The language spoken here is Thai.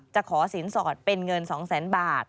ขอสินสอดเป็นเงิน๒แสนบาท